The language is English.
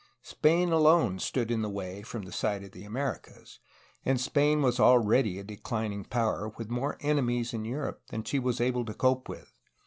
Spain alone stood in the way from the side of the Americas, and Spain was already a declining power, witji more enemies in Europe than she was able to cope with.